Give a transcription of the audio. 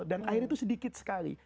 dan air itu sedikit sekali